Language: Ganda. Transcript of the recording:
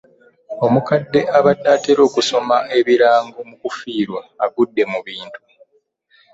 Omukadde abadde atera okusoma ebirango mu kufirwa agudde mu bintu.